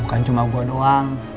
bukan cuma gue doang